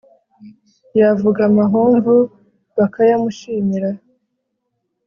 yavuga amahomvu, bakayamushimira